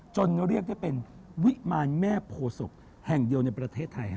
เรียกได้เป็นวิมารแม่โพศพแห่งเดียวในประเทศไทย